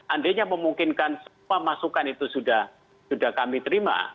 andainya memungkinkan semua masukan itu sudah kami terima